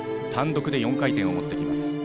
単独で４回転を持ってきます。